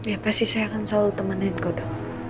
ya pasti saya akan selalu temani kok dok